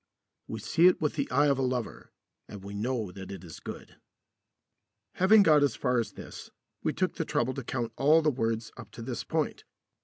We see it with the eye of a lover, and we know that it is good. Having got as far as this, we took the trouble to count all the words up to this point.